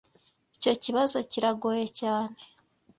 Icyo kibazo kiragoye cyane.